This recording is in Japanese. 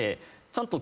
ちゃんと。